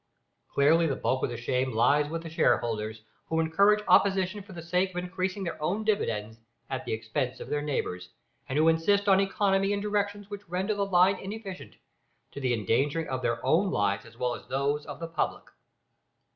Clearly the bulk of the shame lies with the shareholders, who encourage opposition for the sake of increasing their own dividends at the expense of their neighbours, and who insist on economy in directions which render the line inefficient to the endangering of their own lives as well as those of the public.